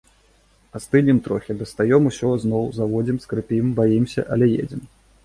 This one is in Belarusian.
Астынем трохі, дастаём ўсё зноў, заводзім, скрыпім, баімся, але едзем.